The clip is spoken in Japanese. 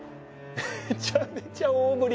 めちゃめちゃ大ぶり。